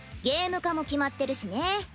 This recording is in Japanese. ゲーム化も決まってるしね。